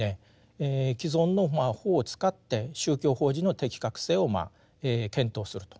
既存の法を使って宗教法人の適格性を検討すると。